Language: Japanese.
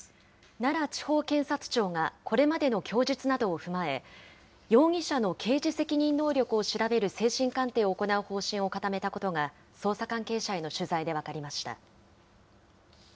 奈良地方検察庁がこれまでの供述などを踏まえ、容疑者の刑事責任能力を調べる精神鑑定を行う方針を固めたことが、捜査関係者への取材で分かりました。